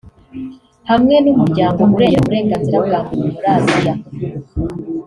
hamwe n’Umuryango urengera uburenganzira bwa muntu muri Asia